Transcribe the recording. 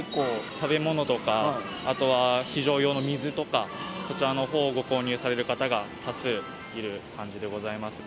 食べ物とか、あとは非常用の水とか、こちらのほうをご購入される方が多数いる感じでございます。